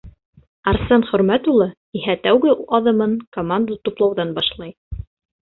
Арсен Хөрмәт улы иһә тәүге аҙымын команда туплауҙан башлай.